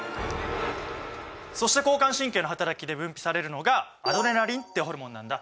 そして交感神経のはたらきで分泌されるのがアドレナリンってホルモンなんだ。